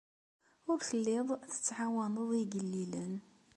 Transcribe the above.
Ur telliḍ tettɛawaneḍ igellilen.